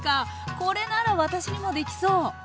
これなら私にもできそう！